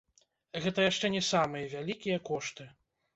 Гэта яшчэ не самыя вялікія кошты.